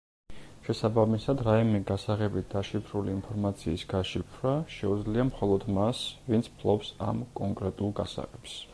შესაბამისად რაიმე გასაღებით დაშიფრული ინფორმაციის გაშიფრვა შეუძლია მხოლოდ მას, ვინც ფლობს ამ კონკრეტულ გასაღებს.